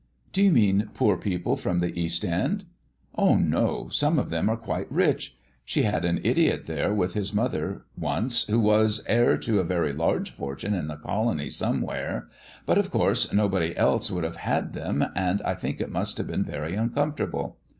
"Do you mean poor people from the East End?" "Oh no; some of them are quite rich. She had an idiot there with his mother once who was heir to a very large fortune in the Colonies somewhere; but of course nobody else would have had them, and I think it must have been very uncomfortable.